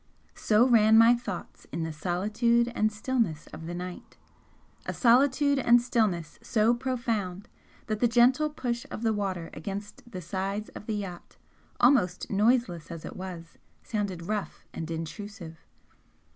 So ran my thoughts in the solitude and stillness of the night a solitude and stillness so profound that the gentle push of the water against the sides of the yacht, almost noiseless as it was, sounded rough and intrusive.